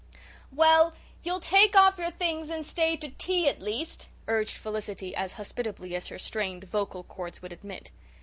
"Well, you'll take off your things and stay to tea, at least," urged Felicity, as hospitably as her strained vocal chords would admit.